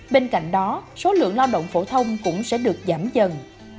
bên cạnh đó số lượng lao động phổ thông cũng sẽ được giảm dần